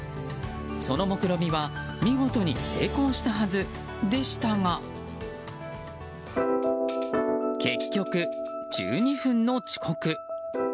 その目論見は見事に成功したはずでしたが結局、１２分の遅刻。